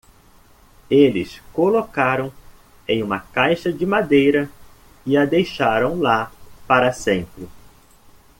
Eles colocaram em uma caixa de madeira? e a deixaram lá para sempre.